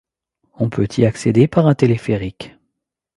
On peut y accéder par un téléphérique.